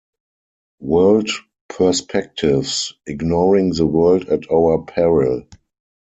World Perspectives: Ignoring the World at our Peril.